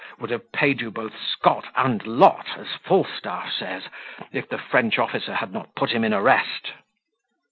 would have paid you both Scot and lot, as Falstaff says, if the French officer had not put him in arrest."